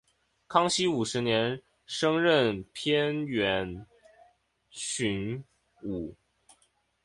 康熙五十年升任偏沅巡抚。